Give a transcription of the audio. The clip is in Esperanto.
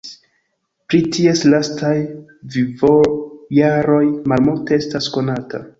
Pri ties lastaj vivojaroj malmulte estas konata.